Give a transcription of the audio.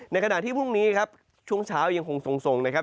ในขณะที่พรุ่งนี้ครับช่วงเช้ายังคงทรงนะครับ